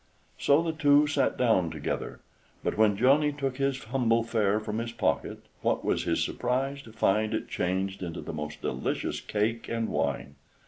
So the two sat down together; but when Johnny took his humble fare from his pocket, what was his surprise to find it changed into the most delicious cake and wine.